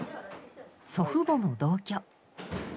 祖父母も同居。